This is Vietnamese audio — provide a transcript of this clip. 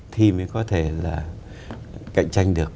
thì mới có thể là cạnh tranh được